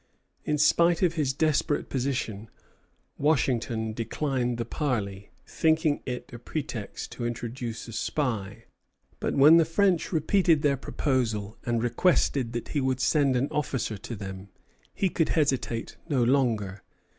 In spite of his desperate position, Washington declined the parley, thinking it a pretext to introduce a spy; but when the French repeated their proposal and requested that he would send an officer to them, he could hesitate no longer.